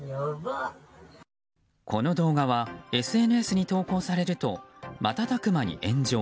この動画はＳＮＳに投稿されると瞬く間に炎上。